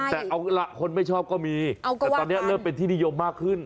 แต่เอาล่ะคนไม่ชอบก็มีแต่ตอนนี้เริ่มเป็นที่นิยมมากขึ้น